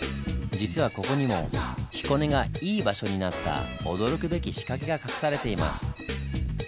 実はここにも彦根がイイ場所になった驚くべき仕掛けが隠されています。